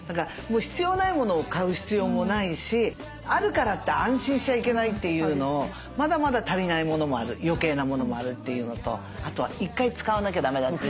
必要ないものを買う必要もないしあるからって安心しちゃいけないというのをまだまだ足りないものもあるよけいなものもあるっていうのとあとは１回使わなきゃだめだというのを本当勉強になりました。